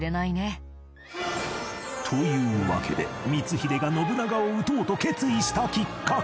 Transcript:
というわけで光秀が信長を討とうと決意したきっかけ